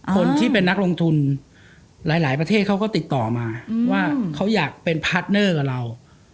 คนที่เป็นนักลงทุนหลายประเทศเขาก็ติดต่อมาว่าเขาอยากเป็นพาร์ทเนอร์กับเรา